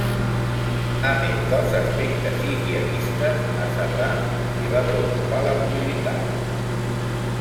A més dels aspectes higienistes a Cerdà li va preocupar la mobilitat.